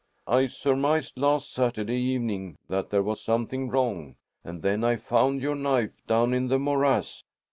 "I surmised last Saturday evening that there was something wrong. And then I found your knife down in the morass."